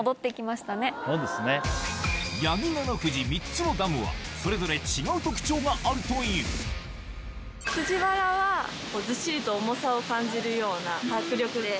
３つのダムはそれぞれ違う特徴があるという藤原はずっしりと重さを感じるような迫力で。